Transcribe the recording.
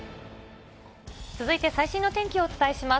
続いて最新の天気をお伝えします。